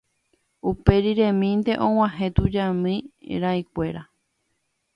Uperiremínte og̃uahẽ tujami ra'ykuéra